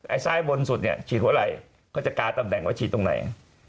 ซ้ายบนสุดเนี่ยฉีดหัวไหล่ก็จะกาตำแหน่งว่าฉีดตรงไหน